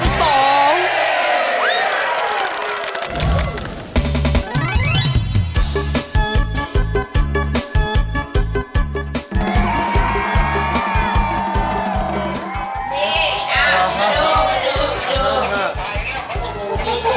สี่น้องดู